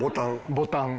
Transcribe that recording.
ボタン。